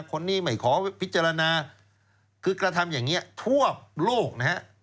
คนนี้ไม่ขอพิจารณาคือกระทำอย่างนี้ทั่วโลกนะฮะ